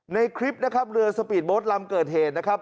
ในคลิปนะครับเรือสปีดโบ๊ทลำเกิดเหตุนะครับ